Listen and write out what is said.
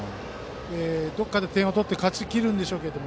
どこかで点を取って勝ち切るんでしょうけども。